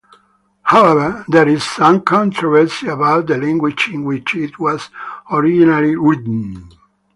However, there is some controversy about the language in which it was originally written.